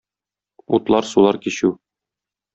Утлар-сулар кичү.